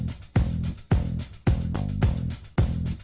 นะคะผมขอบคุณครับ